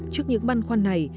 trước những băn khoăn này